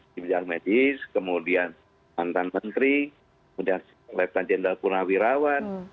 di bidang medis kemudian mantan menteri kemudian lepta jenderal purnawirawan